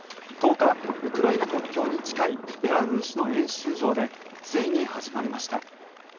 １０日、ウクライナ国境に近いベラルーシの演習場でついに始まりました。